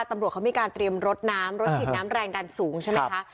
ตำรวจเขามีการเตรียมรถน้ำรถฉีดน้ำแรงดันสูงใช่ไหมคะ